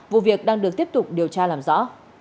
công an được tiếp tục điều tra làm rõ